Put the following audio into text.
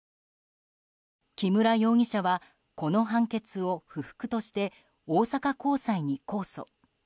木村容疑者はこの判決を不服として大阪高裁に控訴。